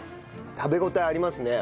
食べ応えありますね。